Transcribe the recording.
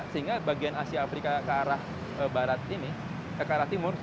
sehingga bagian asia afrika ke arah timur